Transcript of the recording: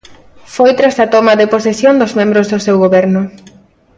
Foi tras a toma de posesión dos membros do seu goberno.